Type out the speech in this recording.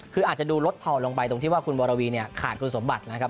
คืออาจจะดูลดทอลงไปตรงที่ว่าคุณวรวีเนี่ยขาดคุณสมบัตินะครับ